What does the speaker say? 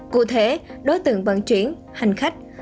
cụ thể đối tượng vận chuyển hành khách